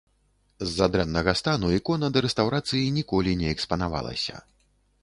З-за дрэннага стану ікона да рэстаўрацыі ніколі не экспанавалася.